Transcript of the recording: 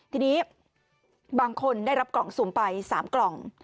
ทีนี้บางคนได้รับกล่องสุ่มไป๓กล่อง